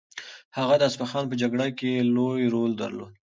هغه د اصفهان په جګړه کې لوی رول درلود.